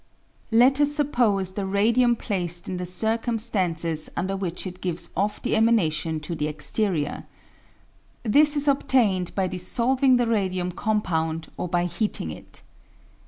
Let us suppose the radium placed in the circumstances under which it gives off" the emanation to the exterior ; this is obtained by dissolving the radium compound or by heating it.